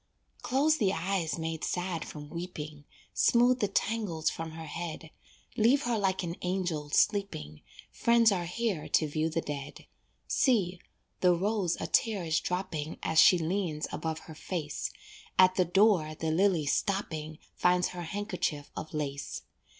Close the eyes made sad from weeping, Smooth the tangles from her head, Leave her like an angel sleeping, Friends are here to view the dead. See, the rose a tear is dropping As she leans above her face, At the door the lily stopping, Finds her handkerchief of lace.